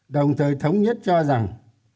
đồng thời thống nhất cho rằng